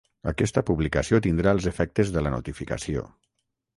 Aquesta publicació tindrà els efectes de la notificació.